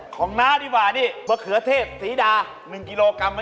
ครับน้ำคือสีดา๑กิโลกรัม